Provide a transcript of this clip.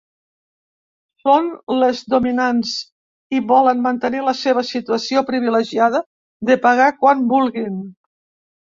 Són les dominants i volen mantenir la seva situació privilegiada de pagar quan vulguin.